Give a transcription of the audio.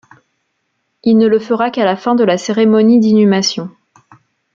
Il ne le fera qu'à la fin de la cérémonie d'inhumation.